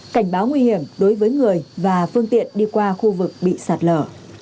cảnh báo nguy hiểm đối với người và phương tiện đi qua khu vực bị sạt lở